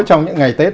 trong những ngày tết